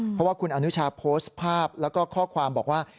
เพราะว่าคุณอนุชาโพสต์ภาพแล้วก็ข้อความบอกว่า